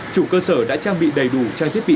chủ cơ sở đã trang bị đầy đủ trang thiết bị